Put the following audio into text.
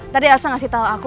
tadi alsa ngasih tau aku